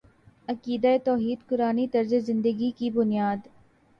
عقیدہ توحید قرآنی طرزِ زندگی کی بنیاد